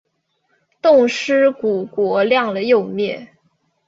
冻尸骨国亮了又灭。